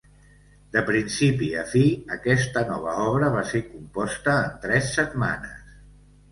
De principi a fi, aquesta nova obra va ser composta en tres setmanes.